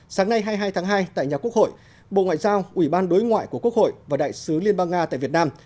sáng nay hai mươi hai tháng hai tại nhà quốc hội bộ ngoại giao ủy ban đối ngoại của quốc hội và đại sứ liên bang nga tại việt nam